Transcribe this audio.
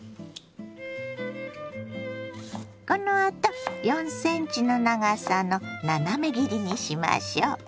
このあと４ｃｍの長さの斜め切りにしましょ。